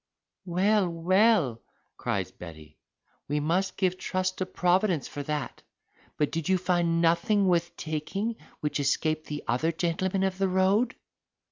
"Well, well," cries Betty, "we must trust to Providence for that. But did you find nothing worth taking which escaped the other gentlemen of the road?"